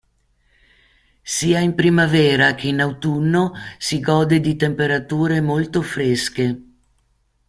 Sia in primavera che in autunno si gode di temperature molto fresche.